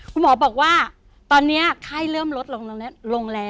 คุณหมอบอกว่าตอนนี้ไข้เริ่มลดลงแล้ว